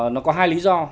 nó có hai lý do